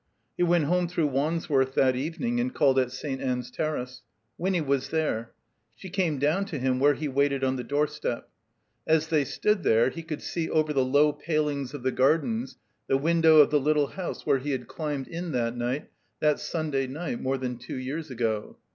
He went home through Wandsworth that evening and called at St. Ann's Terrace. Winny was there. She came down to him where he waited on the door step. As they stood there he could see over the low palings of the gardens the window of the little house where he had climbed in that night, that Sunday night, more than two years ago.